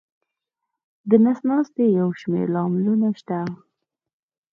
د نس ناستي یو شمېر لاملونه شته.